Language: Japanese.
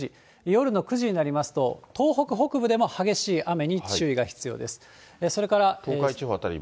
夜の９時になりますと、東北北部でも激しい雨に注意が必要です。